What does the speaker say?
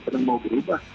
sudah mau berubah